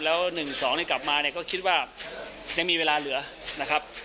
แล้ว๑๒กลับมาเนี่ยก็คิดว่ายังมีเวลาเหลือนะครับ